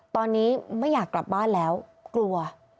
ตอนนี้ไม่อยากกลับบ้านแล้วกลัว